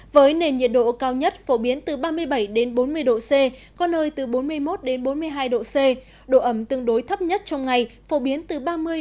với nền nhiệt độ cao nhất phổ biến từ ba mươi bảy bốn mươi độ c có nơi từ bốn mươi một bốn mươi hai độ c độ ẩm tương đối thấp nhất trong ngày phổ biến từ ba mươi năm mươi